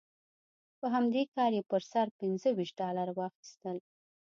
په همدې کار یې پر سر پنځه ویشت ډالره واخیستل.